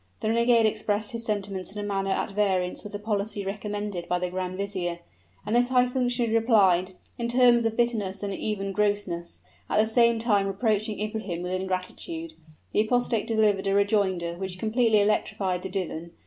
The renegade expressed his sentiments in a manner at variance with the policy recommended by the grand vizier; and this high functionary replied, in terms of bitterness and even grossness, at the same time reproaching Ibrahim with ingratitude. The apostate delivered a rejoinder which completely electrified the divan.